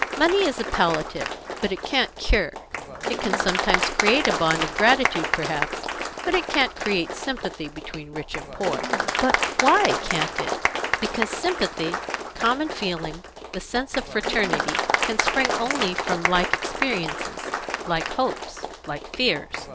"Money is a palliative, but it can't cure. It can sometimes create a bond of gratitude perhaps, but it can't create sympathy between rich and poor." "But why can't it?" "Because sympathy common feeling the sense of fraternity can spring only from like experiences, like hopes, like fears.